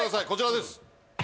こちらです